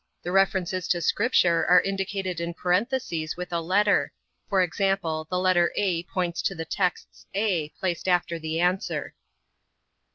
The references to Scripture are indicated in parentheses with a letter. For example, the letter (a) points to the texts (a) placed after the answer.